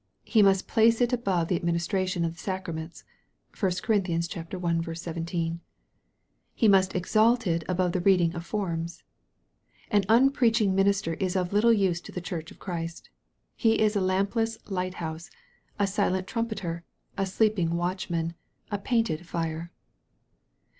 He must place it above the administration of the sacraments. (1 Cor. i. 17.) He must exalt it above the reading of forms. An unpreaching minister is of little use to the church of Christ. He is a lampless light house, a silent trum peter, a sleeping watchman, a painted fire.